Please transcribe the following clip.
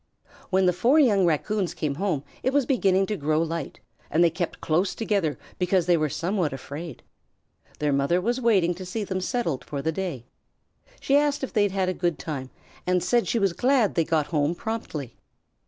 When the four young Raccoons came home, it was beginning to grow light, and they kept close together because they were somewhat afraid. Their mother was waiting to see them settled for the day. She asked if they had a good time, and said she was glad they got home promptly.